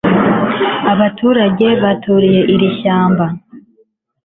Abaturage baturiye iri shyamba